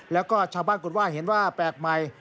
แล้วก็ชาวบ้านกุฎว่าเห็นว่าแปลกใหม่